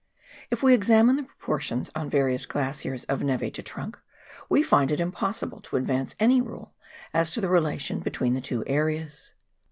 If we examine the proportions on various glaciers of neve to trunk, we find it impossible to advance any rule as to the relation between the two areas.